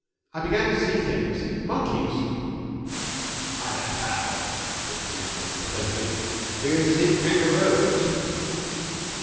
I began to see things monkeys!' 'I had a pal,' said Mr Nichols, sympathetically, 'who used to see kangaroos.'